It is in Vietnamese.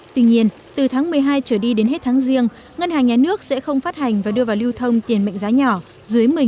tuy nhiên từ tháng một mươi hai trở đi đến hết tháng riêng ngân hàng nhà nước sẽ không phát hành và đưa vào lưu thông tiền mệnh giá nhỏ dưới một mươi